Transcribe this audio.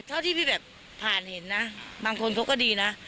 เท่าที่พี่แบบผ่านเห็นนะบางคนเขาก็ดีนะ